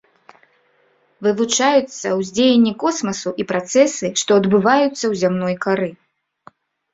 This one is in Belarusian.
Вывучаюцца ўздзеянне космасу і працэсы, што адбываюцца ў зямной кары.